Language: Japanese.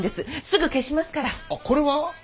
あこれは？